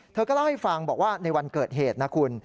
เธอก็เล่าให้ฟังบอกว่าในวันเกิดเหตุนะคุณ